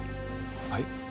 はい？